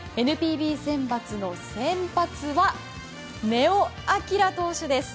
ＮＰＢ選抜の先発は根尾昂投手です。